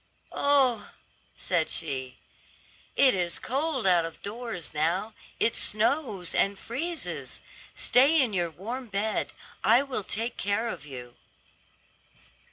"Oh," said she, "it is cold out of doors now; it snows and freezes. Stay in your warm bed; I will take care of you."